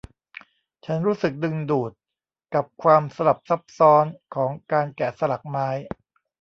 ฉันรู้สึกดึงดูดกับความสลับซับซ้อนของการแกะสลักไม้